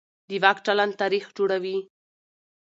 د واک چلند تاریخ جوړوي